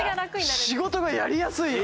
仕事がやりやすい今。